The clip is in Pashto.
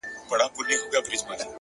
پوه انسان د هر حالت مانا لټوي!